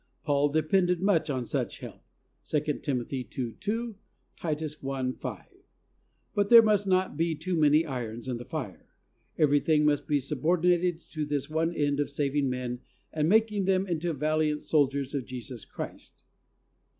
Paul depended much on such help. (2 Tim. 2: 2; Titus i: 5.) But there must not be too many irons in the fire. Everything must be subordinated to this one end of saving men and making them into valiant soldiers of Jesus Christ.